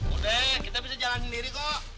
udah kita bisa jalanin diri kok